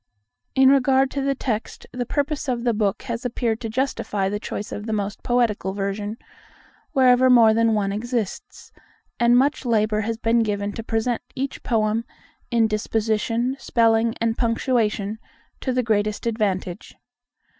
In regard to the text, the purpose of the book has appeared to justify the choice of the most poetical version, wherever more than one exists; and much labour has been given to present each poem, in disposition, spelling, and punctuation, to the greatest advantage.